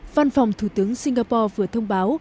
văn phòng thủ tướng singapore vừa thông báo